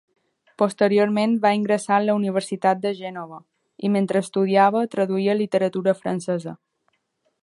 Posteriorment va ingressar en la Universitat de Gènova, i mentre estudiava traduïa literatura francesa.